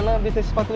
gak usah ngasih tau